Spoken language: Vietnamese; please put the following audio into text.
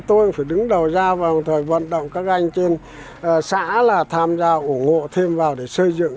tôi cũng phải đứng đầu ra vào thời vận động các anh trên xã là tham gia ủng hộ thêm vào để xây dựng